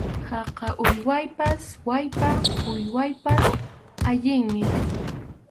Khaka uywaypas wallpa uywaypas allinmi.